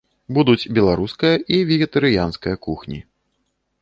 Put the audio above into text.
Будуць беларуская і вегетарыянская кухні.